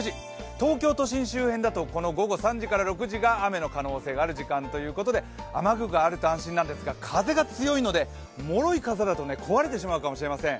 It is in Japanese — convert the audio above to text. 東京都心周辺だと、この３時から６時が雨の可能性がある時間ということで雨具があると安心なんですが風が強いのでもろい傘だと壊れてしまうかもしれません。